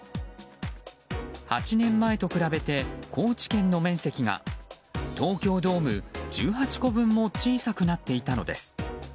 ８年前と比べて高知県の面積が東京ドーム１８個分も小さくなっていたのです。